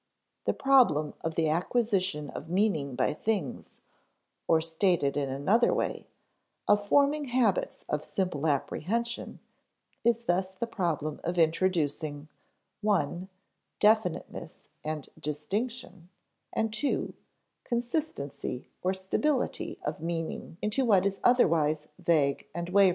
The problem of the acquisition of meaning by things, or (stated in another way) of forming habits of simple apprehension, is thus the problem of introducing (i) definiteness and distinction and (ii) consistency or stability of meaning into what is otherwise vague and wavering.